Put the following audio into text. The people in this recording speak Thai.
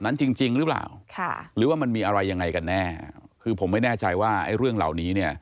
นั้นจริงหรือเปล่าหรือว่ามันมีอะไรยังไงกันแน่คือผมไม่แน่ใจว่าเรื่องเหล่านี้